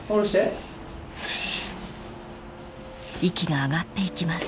［息が上がっていきます］